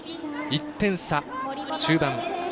１点差、中盤。